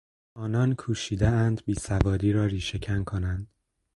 آنان کوشیدهاند بیسوادی را ریشهکن کنند.